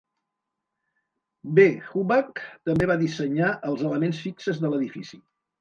B. Hubback també va dissenyar els elements fixes de l'edifici.